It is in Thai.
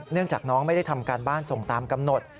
จากน้องไม่ได้ทำการบ้านส่งตามกำหนด